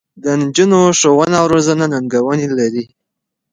د نجونو ښوونه او روزنه ننګونې لري.